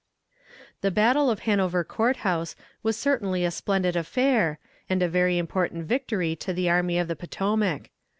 The battle of Hanover Court House was certainly a splendid affair, and a very important victory to the Army of the Potomac.